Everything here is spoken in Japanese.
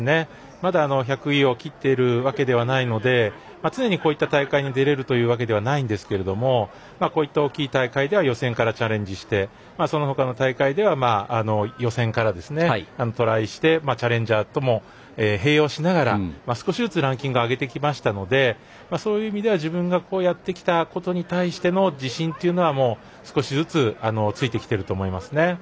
まだ１００位をきっているわけではないので常に、こういった大会に出れるというわけではないんですがこういった大きい大会では予選からチャレンジしてそのほかの大会では予選からトライしてチャレンジャーとも併用しながら少しずつランキングを上げてきましたのでそういった意味では自分がやってきたことに対しての自信というのは少しずつついてきていると思います。